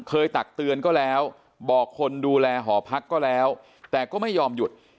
ตักเตือนก็แล้วบอกคนดูแลหอพักก็แล้วแต่ก็ไม่ยอมหยุด